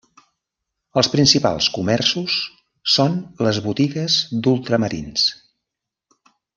Els principals comerços són les botigues d'ultramarins.